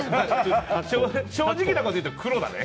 正直なこと言うと、黒だね。